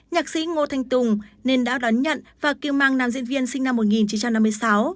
nhạc sĩ ngô thanh tùng nên đã đón nhận và kêu mang nam diễn viên sinh năm một nghìn chín trăm năm mươi sáu